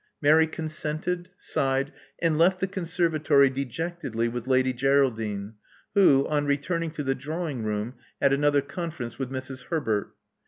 Mary consented; sighed; and left the conservatory dejectedly with Lady Geraldine, who, on returning to the drawing room had another conference with Mrs. Herbert.